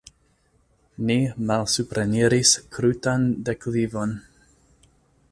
Ni malsupreniris krutan deklivon.